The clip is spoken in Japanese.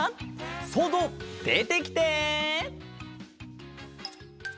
そうぞうでてきて！